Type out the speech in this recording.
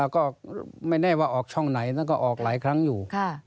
ก็ไม่แน่ว่าออกช่องไหนนั่นก็ออกหลายครั้งอยู่